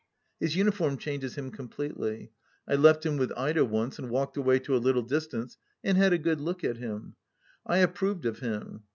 His uniform changes him completely. I left him with Ida once, and walked away to a little distance and had a good look at him. I approved of him.